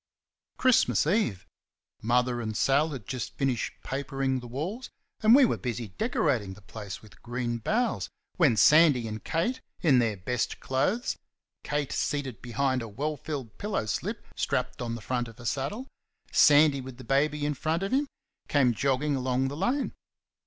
Christmas Eve. Mother and Sal had just finished papering the walls, and we were busy decorating the place with green boughs, when Sandy and Kate, in their best clothes Kate seated behind a well filled pillow slip strapped on the front of her saddle; Sandy with the baby in front of him came jogging along the lane.